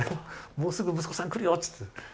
「もうすぐ息子さん来るよ」つって。